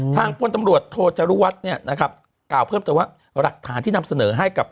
ทางค้นตำรวจโทษรวจนะครับเก่าเพิ่มซะว่ารักฐานที่นำเสนอให้กับ